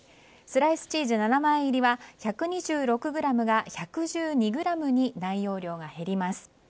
スライスチーズ７枚入りは１２６ｇが１１２ｇに内容量が減ります。